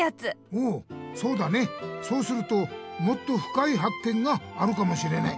おおそうだねそうするともっとふかいはっけんがあるかもしれない。